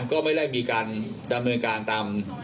ก็ไม่ได้มีการดำเนินการตาม